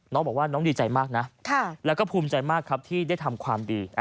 น้องบอกว่าน้องดีใจมากนะแล้วก็ภูมิใจมากครับที่ได้ทำความดี